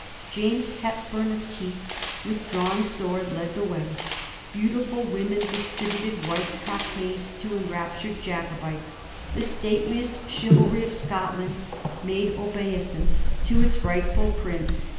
James Hepburn of Keith, with drawn sword, led the way; beautiful women distributed white cockades to enraptured Jacobites ; the stateliest chivalry of Scotland made obeisance to its rightful prince.